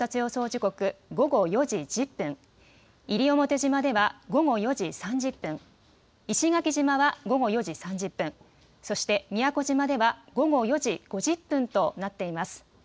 時刻、午後４時１０分、西表島では午後４時３０分、石垣島は午後４時３０分、そして宮古島では午後４時５０分となっています。